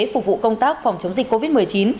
phục vụ công tác phòng chống dịch covid một mươi chín